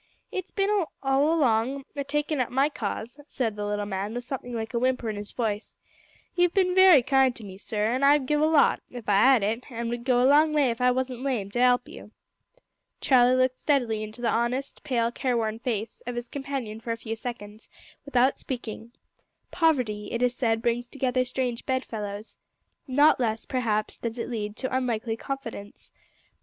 "It's bin all along o' takin' up my cause," said the little man, with something like a whimper in his voice. "You've bin wery kind to me, sir, an' I'd give a lot, if I 'ad it, an' would go a long way if I wasn't lame, to 'elp you." Charlie looked steadily in the honest, pale, careworn face of his companion for a few seconds without speaking. Poverty, it is said, brings together strange bed fellows. Not less, perhaps, does it lead to unlikely confidants.